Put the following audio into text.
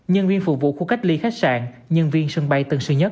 nhân viên phục vụ khu cách ly khách sạn nhân viên sân bay tân sơn nhất